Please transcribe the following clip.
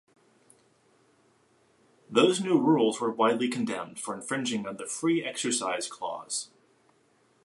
Those new rules were widely condemned for infringing on the Free Exercise Clause.